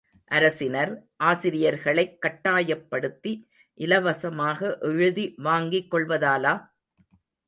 அரசினர், ஆசிரியர்களைக் கட்டாயப்படுத்தி இலவசமாக எழுதி வாங்கிக் கொள்வதாலா?